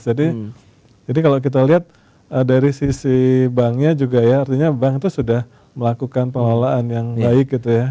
jadi kalau kita lihat dari sisi banknya juga ya artinya bank itu sudah melakukan pengelolaan yang baik gitu ya